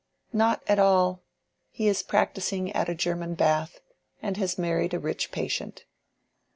"Not at all. He is practising at a German bath, and has married a rich patient."